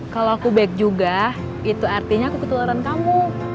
kalau aku back juga itu artinya aku ketularan kamu